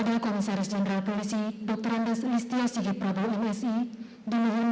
banyak shoolah dan tempat yang saya please paham